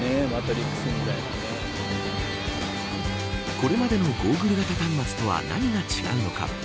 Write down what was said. これまでのゴーグル型端末とは何が違うのか。